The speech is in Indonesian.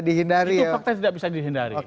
dihindari ya itu fakta yang tidak bisa dihindari